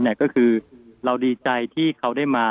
ก็คือเราดีใจที่เขาได้มา